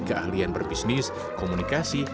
keahlian berbisnis komunikasi